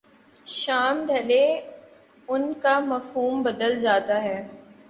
شام ڈھلے ان کا مفہوم بدل جاتا ہے۔